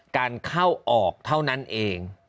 การเข้าออกเท่านั้นเอง